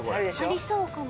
ありそうかも。